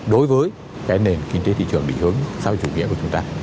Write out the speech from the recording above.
đối với cái nền kinh tế thị trường định hướng sau chủ nghĩa của chúng ta